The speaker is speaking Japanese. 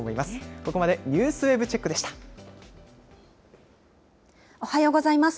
ここまでＮＥＷＳＷＥＢチェックおはようございます。